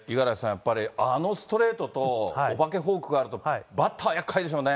やっぱり、あのストレートと、お化けフォークがあると、バッターやっかいでしょうね。